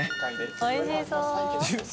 おいしそう。